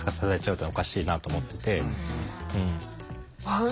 ああ。